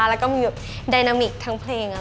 เพราะว่าโจทย์ที่เราแบบอยากที่จะทำก็คือเป็นเพลงชา